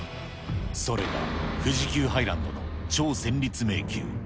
それが、富士急ハイランドの超・戦慄迷宮。